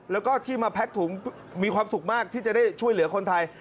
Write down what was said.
แล้วก็ที่มาแพ็กถุงมีความสุขมากที่จะได้ช่วยเหลือคนไทย